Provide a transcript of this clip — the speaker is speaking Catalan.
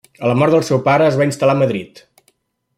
A la mort del seu pare es va instal·lar a Madrid.